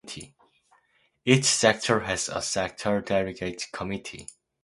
Each sector has a sector delegates' committee.